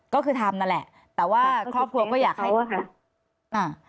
ก็คือทำนั่นแหละแต่ว่าครอบครัวก็อยากให้อ่า